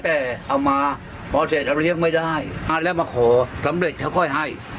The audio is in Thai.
แต่เอามามอเศษเอาเลี้ยงไม่ได้แล้วมาขอสำเร็จเขาก็ให้